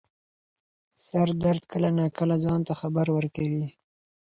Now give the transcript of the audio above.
سردرد کله نا کله ځان ته خبر ورکوي.